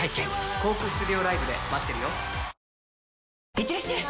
いってらっしゃい！